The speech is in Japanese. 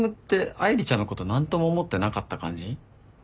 愛梨ちゃんのこと何とも思ってなかった感じ？